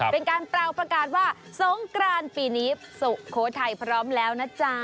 เป็นการเปล่าประกาศว่าสงกรานปีนี้สุโขทัยพร้อมแล้วนะจ๊ะ